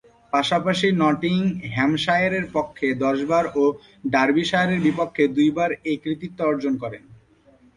পাশাপাশি নটিংহ্যামশায়ারের পক্ষে দশবার ও ডার্বিশায়ারের বিপক্ষে দুইবার এ কৃতিত্ব অর্জন করেন।